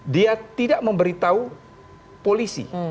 dia tidak memberitahu polisi